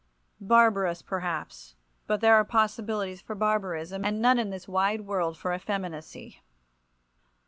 Barbarous, perhaps—but there are possibilities for barbarism, and none in this wide world for effeminacy.